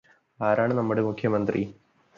ആരാണ് നമ്മുടെ മുഖ്യമന്ത്രി?